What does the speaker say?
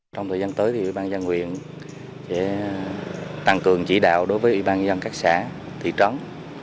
trong thời gian tới thì ủy ban dân quyện sẽ tăng cường chỉ đạo đối với ủy ban nhân dân các xã thị trấn